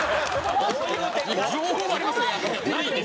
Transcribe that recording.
情報はありますよ！